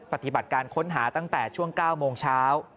ปฏิบัติการค้นหาตั้งแต่ช่วง๙โมงเช้า